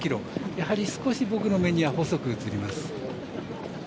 やはり、少し僕の目には細く映ります。